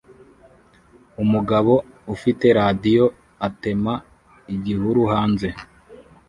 Umugabo ufite radio atema igihuru hanze